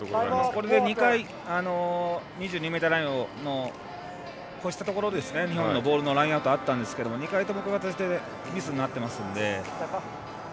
これで２回、２２ｍライン越えたところで日本のボールのラインアウトがあったんですが、２回ともミスになっていますので。